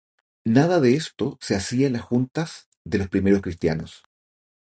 Nada de esto se hacía en las juntas de los primeros cristianos.